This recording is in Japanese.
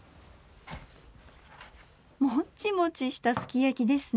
もっちもちしたすきやきですね